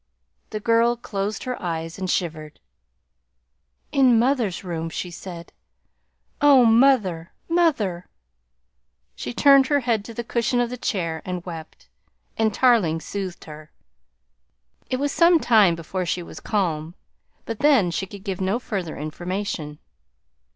The girl closed her eyes and shivered. "In mother's room," she said. "Oh, mother, mother!" She turned her head to the cushion of the chair and wept, and Tarling soothed her. It was some time before she was calm, but then she could give no further information.